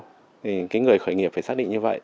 thì cái người khởi nghiệp phải xác định như vậy